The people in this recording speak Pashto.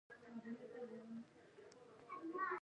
له څلور سوه یوولس کاله وروسته له اقتصادي رکود سره مخ شوه.